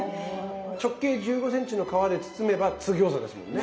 直径１５ｃｍの皮で包めば津ぎょうざですもんね。